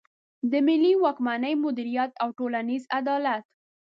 د ملي واکمني مدیریت او ټولنیز عدالت.